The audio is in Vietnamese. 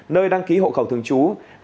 nơi đăng ký hộ khẩu thường chú